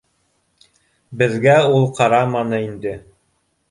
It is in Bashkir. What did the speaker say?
Беҙгә ул ҡараманы инде